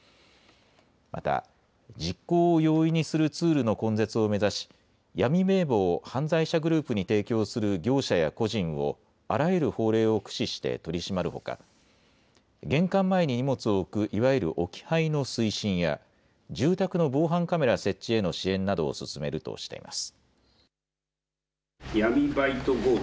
また実行を容易にするツールの根絶を目指し闇名簿を犯罪者グループに提供する業者や個人をあらゆる法令を駆使して取り締まるほか、玄関前に荷物を置くいわゆる置き配の推進や住宅の防犯カメラ設置への支援などを進めるとしています。